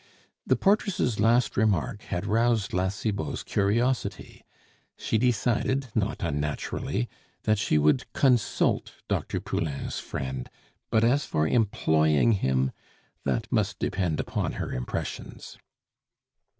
The portress' last remark had roused La Cibot's curiosity; she decided, not unnaturally, that she would consult Dr. Poulain's friend; but as for employing him, that must depend upon her impressions.